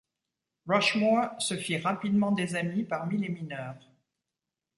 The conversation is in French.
Rushmore se fit rapidement des amis parmi les mineurs.